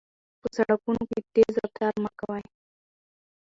په سړکونو کې تېز رفتار مه کوئ.